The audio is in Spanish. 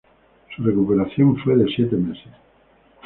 Su recuperación fue de siete meses.